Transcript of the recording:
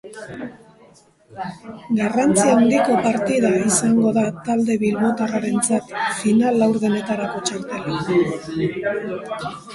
Garrantzi handiko partida izango da talde bilbotarrarentzat final-laurdenetarako txartela eskuratzeko bidean.